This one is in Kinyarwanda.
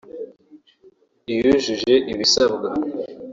iyujuje ibisabwa